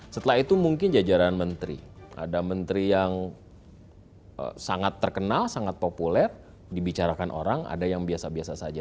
setelah itu mungkin jajaran menteri ada menteri yang sangat terkenal sangat populer dibicarakan orang ada yang biasa biasa saja